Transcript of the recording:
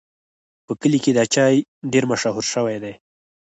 په کلي کې دا چای ډېر مشهور شوی دی.